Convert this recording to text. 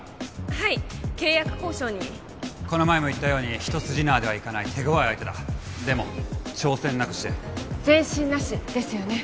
はい契約交渉にこの前も言ったように一筋縄ではいかない手強い相手だでも挑戦なくして前進なしですよね